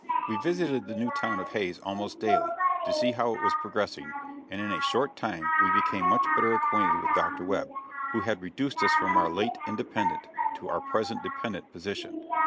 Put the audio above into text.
We visited the new town of Hays almost daily, to see how it was progressing, and in a short time we became much better acquainted with Dr. Webb, who had reduced us from our late independent to our present dependent position.